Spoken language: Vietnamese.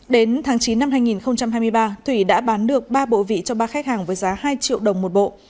đến tháng chín năm hai nghìn hai mươi ba thủy đã bán được ba bộ vị cho ba khách hàng với giá hai triệu đồng một bộ